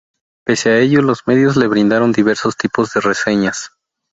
Pese a ello, los medios le brindaron diversos tipos de reseñas.